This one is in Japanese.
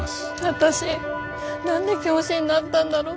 私何で教師になったんだろう。